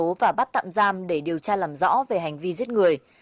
sang bị bắt tạm giam để điều tra làm rõ về hành vi giết người